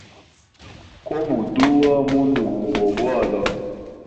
Kobutuwa mundu gumo kowa bwala.